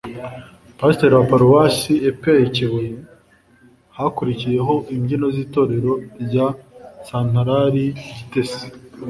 pasteur wa paruwasi e.p.r kibuye, hakurikiyeho imbyino z’itorero rya santarali gitesi